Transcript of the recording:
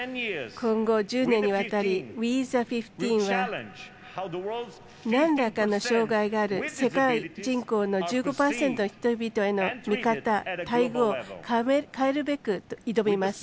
今後、１０年にわたり「ＷＥＴＨＥ１５」はなんらかの障がいがある世界人口の１５％の人々への見方待遇を変えるべく、挑みます。